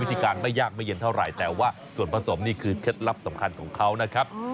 วิธีการไม่ยากไม่เย็นเท่าไหร่แต่ว่าส่วนผสมนี่คือเคล็ดลับสำคัญของเขานะครับ